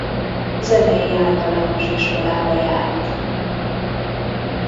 Zenei általános iskolába járt.